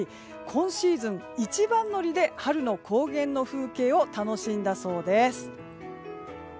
今シーズン一番乗りで春の高原の風景を楽しんだそうです。